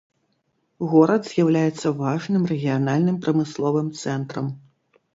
Горад з'яўляецца важным рэгіянальным прамысловым цэнтрам.